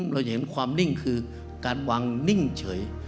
เราจะเห็นความนิ่งคือการวางนิ่งเฉย